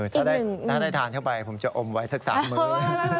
ถ้าได้ทานเข้าไปผมจะอมไว้สัก๓มื้อ